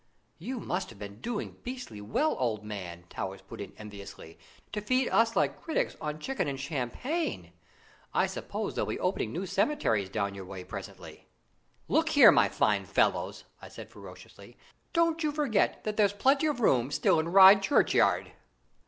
"You must have been doing beastly well, old man," Towers put in enviously; "to feed us like critics on chicken and champagne. I suppose they'll be opening new cemeteries down your way presently." "Look here, my fine fellows," I said ferociously, "don't you forget that there's plenty of room still in Ryde Churchyard."